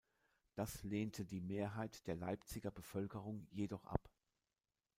Das lehnte die Mehrheit der Leipziger Bevölkerung jedoch ab.